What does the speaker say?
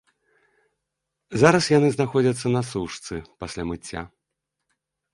Зараз яны знаходзяцца на сушцы, пасля мыцця.